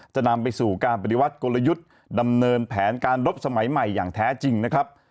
จะนำไปสู่การปฏิวัติกลยุทธ์ดำเนินแผนการรบสมัยใหม่อย่างแท้จริงนะครับ